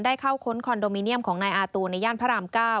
เข้าค้นคอนโดมิเนียมของนายอาตูในย่านพระราม๙